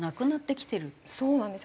そうなんです。